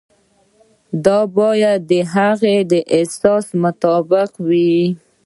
دا باید د هغه د احساس مطابق وي.